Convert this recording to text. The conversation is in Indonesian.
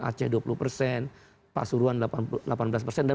aceh dua puluh persen pasuruan delapan belas persen